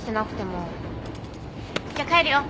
じゃあ帰るよ。